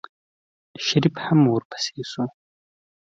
شريف هم ورپسې شو.